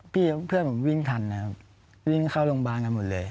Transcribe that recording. เพื่อนผมวิ่งทันนะครับวิ่งเข้าโรงพยาบาลกันหมดเลย